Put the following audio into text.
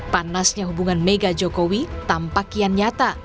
panasnya hubungan mega jokowi tampak kian nyata